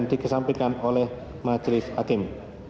dikesampingkan oleh majelis hakim